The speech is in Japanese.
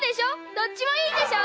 どっちもいいでしょ。